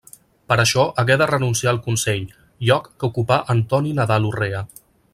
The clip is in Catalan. Per això hagué de renunciar al Consell, lloc que ocupà Antoni Nadal Urrea.